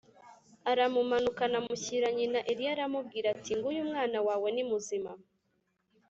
aramumanukana amushyira nyina Eliya aramubwira ati “Nguyu umwana wawe, ni muzima”